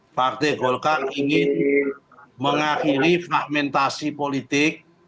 partai golkar ingin mengakhiri fragmentasi politik